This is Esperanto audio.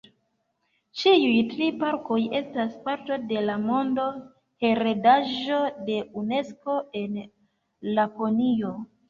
Ĉiuj tri parkoj estas parto de la Monda heredaĵo de Unesko en Laponio.